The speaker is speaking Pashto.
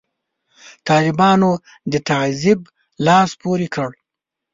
طالبانو د تعذیب لاس پورې کړ.